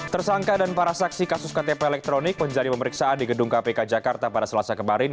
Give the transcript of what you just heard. tersangka dan para saksi kasus ktp elektronik menjadi pemeriksaan di gedung kpk jakarta pada selasa kemarin